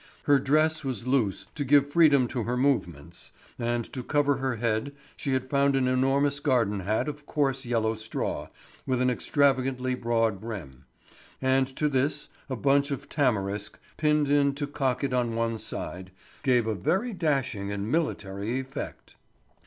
Her dress was loose to give freedom to her movements, and to cover her head she had found an enormous garden hat of coarse yellow straw with an extravagantly broad brim; and to this, a bunch of tamarisk pinned in to cock it on one side, gave a very dashing and military effect.